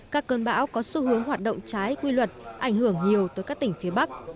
các cơn bão có xu hướng hoạt động trái quy luật ảnh hưởng nhiều tới các tỉnh phía bắc